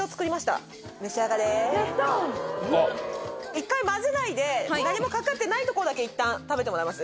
一回混ぜないで何もかかってないところだけいったん食べてもらえます？